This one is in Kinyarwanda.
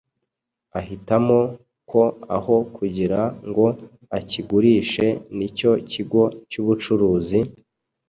ahitamo ko aho kugira ngo akigurishe n’icyo kigo cy’ubucuruzi,